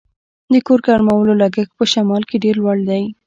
د کور ګرمولو لګښت په شمال کې ډیر لوړ دی